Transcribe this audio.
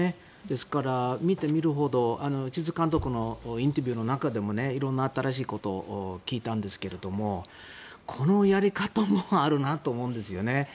ですから、見てみるほど井筒監督のインタビューの中でも色んな新しいことを聞いたんですけれどもこのやり方もあるなと思うんですよね。